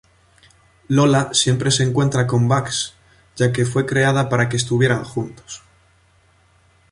Lola siempre se encuentra con Bugs ya que fue creada para que estuvieran juntos.